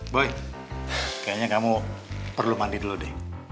boy kayaknya kamu perlu mandi dulu deh